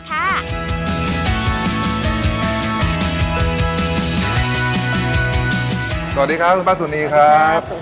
สวัสดีครับสวัสดีครับสวัสดีครับ